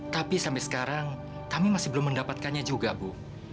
tapi sampai sekarang kami masih belum mendapatkannya juga bu